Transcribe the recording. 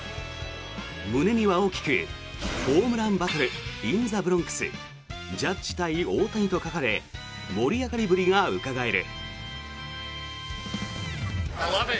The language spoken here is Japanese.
胸には大きくホームランバトル・イン・ザ・ブロンクスジャッジ対大谷と書かれ盛り上がりぶりがうかがえる。